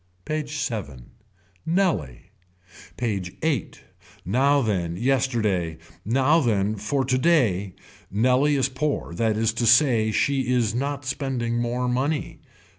PAGE VII. Nellie. PAGE VIII. Now then yesterday. Now then for today. Nellie is poor that is to say she is not spending more money.